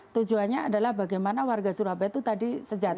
tujuannya adalah bagaimana warga jawa tengah bisa mendapatkan penghargaan ini